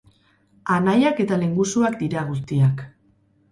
Anaiak eta lehengusuak dira guztiak.